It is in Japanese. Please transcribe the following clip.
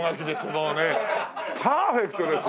もうねパーフェクトですよ。